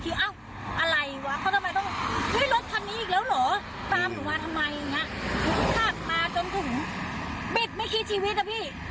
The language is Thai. ขาดมาจนถึงบิดไม่คิดชีวิตอ่ะพี่